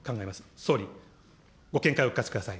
総理、ご見解をお聞かせください。